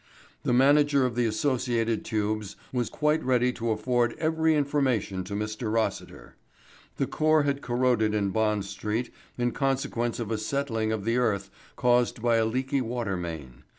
The manager of the associated tubes was quite ready to afford every information to Mr. Rossiter. The core had corroded in Bond Street in consequence of a settling of the earth caused by a leaky water main.